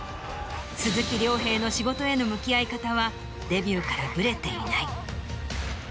鈴木亮平の仕事への向き合い方はデビューからぶれていない。